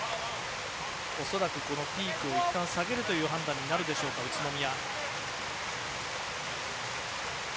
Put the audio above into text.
恐らくピークをいったん下げるという判断になるでしょうか、宇都宮。